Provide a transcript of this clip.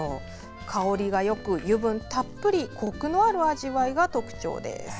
香りがよく、油分たっぷりこくのある味わいが特徴です。